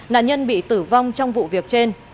nạn nhân bị tử vong trong vụ việc trên